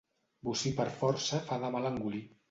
Bocí per força fa de mal engolir.